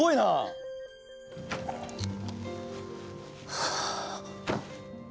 はあ。